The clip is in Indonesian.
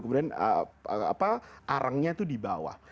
kemudian arangnya itu di bawah